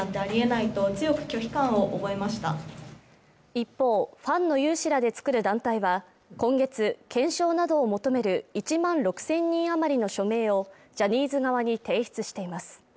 一方、ファンの有志らでつくる団体は今月、検証などを求める１万６０００人余りの署名をジャニーズ側に提出しています。